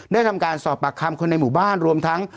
ได้ทำการสอบปากคำคนในหมู่บ้านรวมทั้ง